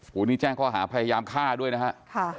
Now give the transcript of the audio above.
วันนี้แจ้งข้อหาพยายามฆ่าด้วยนะฮะ